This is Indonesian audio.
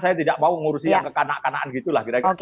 saya tidak mau mengurusin yang kekanak kanaan gitu lah